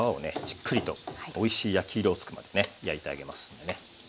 じっくりとおいしい焼き色をつくまでね焼いてあげますんでね。